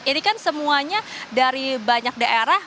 ini kan semuanya dari banyak daerah